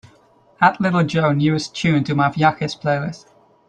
Add little joe newest tune to my viajes playlist